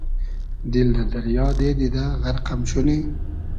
دیل دۂ دئریا دې دیدۂ غئرق ام شونی